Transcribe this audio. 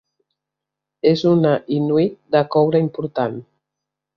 És una inuit de coure important.